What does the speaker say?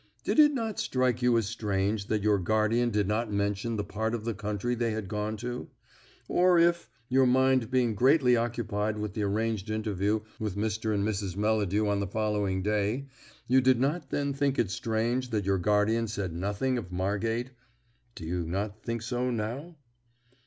Did it not strike you as strange that your guardian did not mention the part of the country they had gone to? Or if, your mind being greatly occupied with the arranged interview with Mr. and Mrs. Melladew on the following day, you did not then think it strange that your guardian said nothing of Margate do you not think so now?"